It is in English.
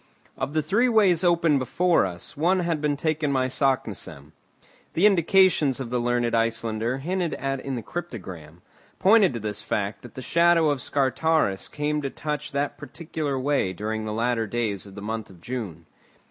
Of the three ways open before us, one had been taken by Saknussemm. The indications of the learned Icelander hinted at in the cryptogram, pointed to this fact that the shadow of Scartaris came to touch that particular way during the latter days of the month of June.